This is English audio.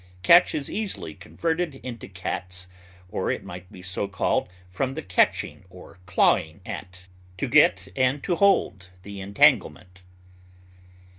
Catch is easily converted into cat's, or it might be so called from the catching or clawing at, to get and to hold, the entanglement.